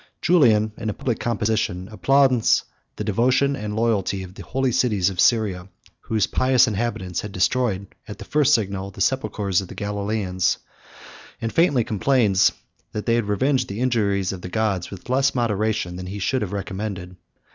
Julian, in a public composition, applauds the devotion and loyalty of the holy cities of Syria, whose pious inhabitants had destroyed, at the first signal, the sepulchres of the Galilæans; and faintly complains, that they had revenged the injuries of the gods with less moderation than he should have recommended.